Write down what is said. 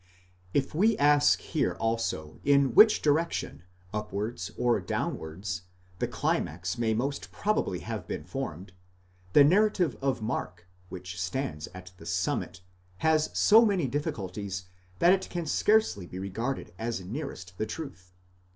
If we ask here also in which direction, upwards or downwards, the climax may most probably have been formed, the narrative of Mark, which stands at the summit, has so many difficulties that it can scarcely be regarded as nearest * the truth.